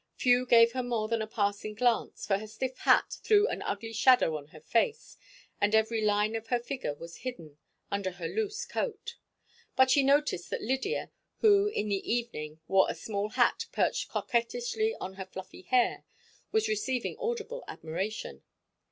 Few gave her more than a passing glance, for her stiff hat threw an ugly shadow on her face and every line of her figure was hidden under her loose coat. But she noted that Lydia, who in the evening wore a small hat perched coquettishly on her fluffy hair, was receiving audible admiration.